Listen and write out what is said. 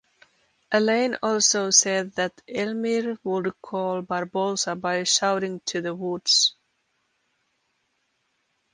Alain also said that Elmir would call Barbosa by shouting to the woods.